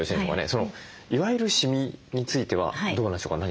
そのいわゆるシミについてはどうなんでしょうか。